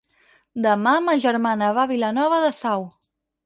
Demà ma germana va a Vilanova de Sau.